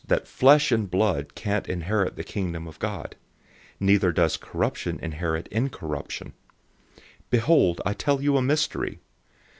"} that flesh and blood can't inherit the Kingdom of God; neither does corruption inherit incorruption. 015:051 Behold, I tell you a mystery.